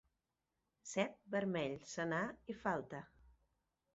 Set, vermell, senar i falta.